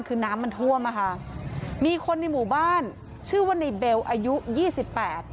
คือน้ำมันท่วมอ่ะค่ะมีคนในหมู่บ้านชื่อว่าในเบลอายุยี่สิบแปด